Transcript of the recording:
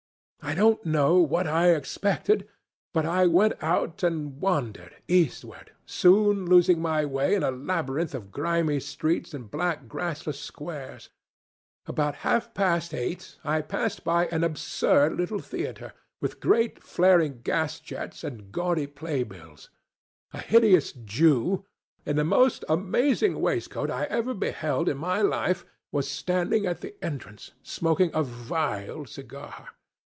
I don't know what I expected, but I went out and wandered eastward, soon losing my way in a labyrinth of grimy streets and black grassless squares. About half past eight I passed by an absurd little theatre, with great flaring gas jets and gaudy play bills. A hideous Jew, in the most amazing waistcoat I ever beheld in my life, was standing at the entrance, smoking a vile cigar.